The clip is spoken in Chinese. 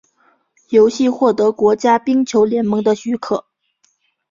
游戏获得国家冰球联盟的许可。